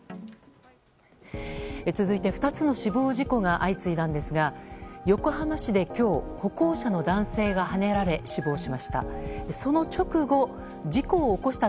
続いて２つの死亡事故が相次いだんですが横浜市で今日、歩行者の男性がはねられ死亡しました。